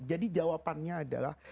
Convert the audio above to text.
jadi jawabannya adalah